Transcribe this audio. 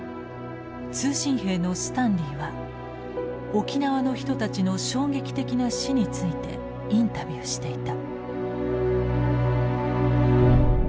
通信兵のスタンリーは沖縄の人たちの衝撃的な死についてインタビューしていた。